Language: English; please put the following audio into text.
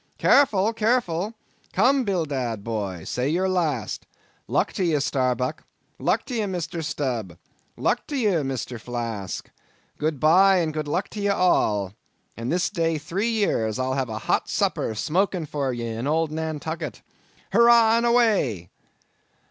Careful, careful!—come, Bildad, boy—say your last. Luck to ye, Starbuck—luck to ye, Mr. Stubb—luck to ye, Mr. Flask—good bye and good luck to ye all—and this day three years I'll have a hot supper smoking for ye in old Nantucket. Hurrah and away!"